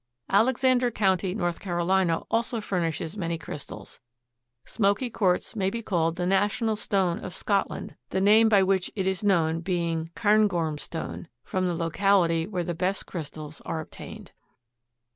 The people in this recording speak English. Alexander County, North Carolina, also furnishes many crystals. Smoky quartz may be called the national stone of Scotland, the name by which it is known being "Cairngorm stone," from the locality where the best crystals are obtained.